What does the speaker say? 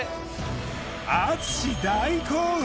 淳大興奮！